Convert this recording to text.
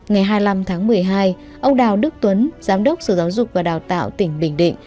ngày hai mươi năm tháng một mươi hai ông đào đức tuấn giám đốc sở giáo dục và đào tạo tỉnh bình định